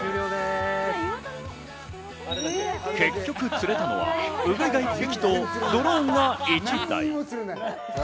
結局釣れたのはウグイが１匹とドローンが１台。